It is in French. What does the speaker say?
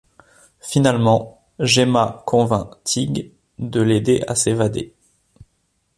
Finalement, Gemma convainc Tig de l'aider à s'évader.